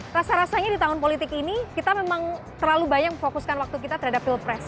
rasa rasanya di tahun politik ini kita memang terlalu banyak memfokuskan waktu kita terhadap pilpres